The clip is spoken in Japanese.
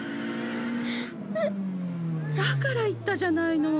だから言ったじゃないの。